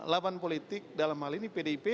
lawan politik dalam hal ini pdip